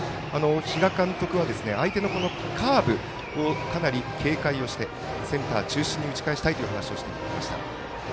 比嘉監督は相手のカーブをかなり警戒してセンター中心に打ち返したいという話をしていました。